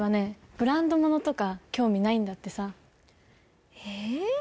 ブランド物とか興味ないんだってさええ？